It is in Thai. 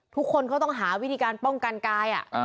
ทุกคนเขาต้องหาวิธีการป้องกันกาย